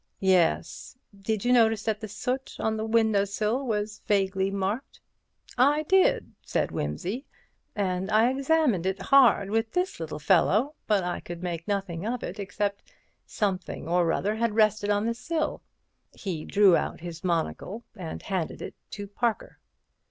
"Yes; did you notice that the soot on the window sill was vaguely marked?" "I did," said Wimsey, "and I examined it hard with this little fellow, but I could make nothing of it except that something or other had rested on the sill." He drew out his monocle and handed it to Parker.